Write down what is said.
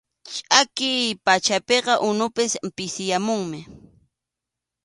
Chʼakiy pachapiqa unupas pisiyamunmi.